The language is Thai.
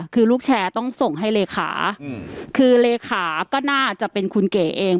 คือลูกแชร์ต้องส่งให้เลขาคือเลขาก็น่าจะเป็นคุณเก๋เอง